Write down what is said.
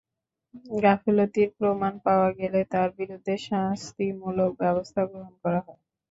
গাফিলতির প্রমাণ পাওয়া গেলে তাঁর বিরুদ্ধে শাস্তিমূলক ব্যবস্থা গ্রহণ করা হয়।